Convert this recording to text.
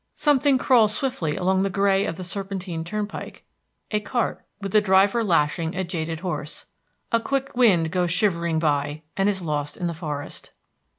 Something crawls swiftly along the gray of the serpentine turnpike, a cart, with the driver lashing a jaded horse. A quick wind goes shivering by, and is lost in the forest.